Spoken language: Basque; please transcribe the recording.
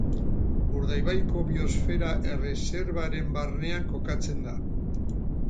Urdaibaiko Biosfera Erreserbaren barnean kokatzen da.